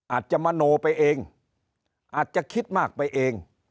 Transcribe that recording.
อาจจะมโนไปเองอาจจะคิดมากไปเอง